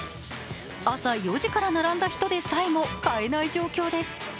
朝４時から並んだ人でさえも買えない状況です。